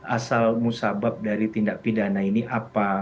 asal musabab dari tindak pidana ini apa